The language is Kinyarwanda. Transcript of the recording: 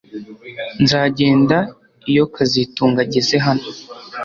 Nzagenda iyo kazitunga ageze hano